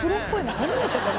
初めてかな？